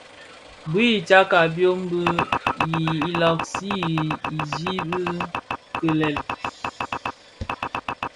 Bui i tagà byom,i làgsi senji kilel.